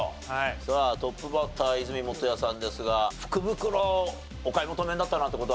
さあトップバッター和泉元彌さんですが福袋お買い求めになったなんて事は。